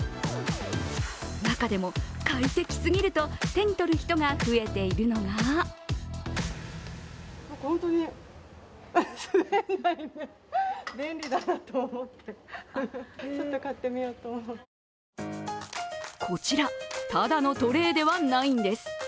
中でも快適すぎると手に取る人が増えているのがこちらただのトレーではないんです。